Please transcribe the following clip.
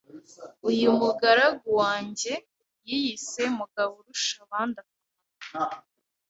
Uyu mugaragu wanjye yiyise Mugaburushabandakamaro